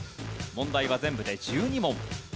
問題は全部で１２問。